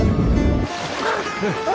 あ。